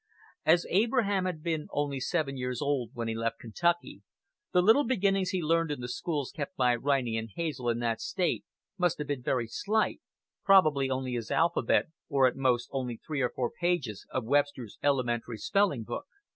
As Abraham had been only seven years old when he left Kentucky, the little beginnings he learned in the schools kept by Riney and Hazel in that State must have been very slight, probably only his alphabet, or at most only three or four pages of Webster's "Elementary Spelling book."